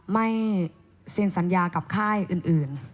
ไม่เซ็นสัญญากับค่ายอื่น